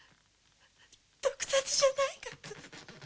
毒殺じゃないかと。